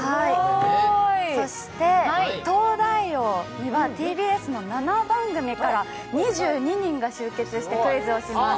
そして、「東大王」では、ＴＢＳの７番組から２２人が集結してクイズをします。